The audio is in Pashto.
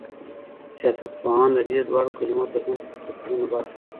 سياستپوهان د دې دواړو کلمو ترمنځ پر توپيرونو بحث کوي.